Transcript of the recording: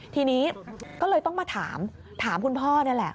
ทีนี้ก็เลยต้องมาถามถามคุณพ่อนี่แหละ